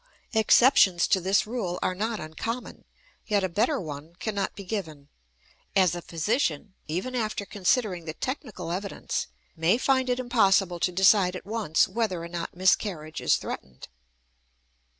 Exceptions to this rule are not uncommon, yet a better one cannot be given; as a physician, even after considering the technical evidence, may find it impossible to decide at once whether or not miscarriage is threatened.